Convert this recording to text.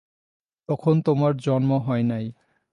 তখন তোমার জন্ম হয় নাই।